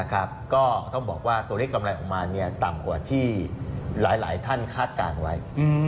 ก็ต้องบอกว่าตัวเลขกำไรออกมาต่ำกว่าที่หลายท่านคาดการณ์ไว้